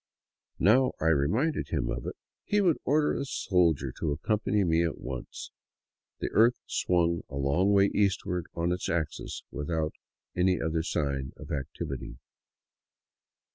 Now I reminded him of it, he would order a soldier to accompany me at once. The earth swung a long way eastward on its axis without any other sign of activity.